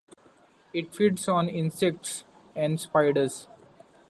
It feeds on insects and spiders.